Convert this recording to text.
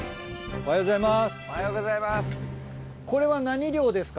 おはようございます。